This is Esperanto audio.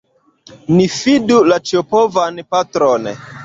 Ni fidu la Ĉiopovan Patron!